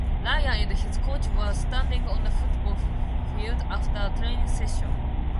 Ryan and his coach were standing on a football field after a training session.